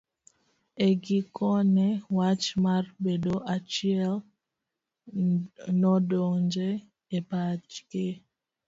E gikone wach mar bedo e achiel nodonjo e pachgi.